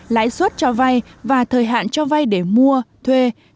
lãi suất cho vay và thời hạn cho vay để mua thuê thuê mua nhà ở xã hội